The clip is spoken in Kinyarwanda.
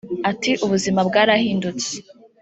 Ati” Ubuzima bwarahindutse